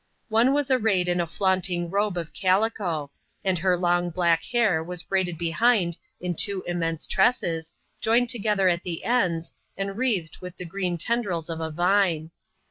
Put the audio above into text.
One was arrayed in a flaunting robe of calico ; and her long black hair was braided behind in two immense tresses, joined together at the ends, and wrealhed with the green tendrils of a vine.